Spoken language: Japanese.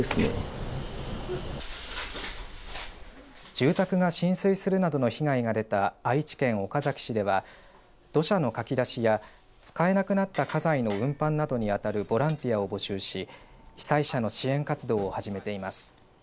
住宅が浸水するなどの被害が出た愛知県岡崎市では土砂のかき出しや使えなくなった家財の運搬などに当たるボランティアを募集し被災者の支援活動を始めています。